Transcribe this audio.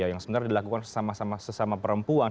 yang sebenarnya dilakukan sesama perempuan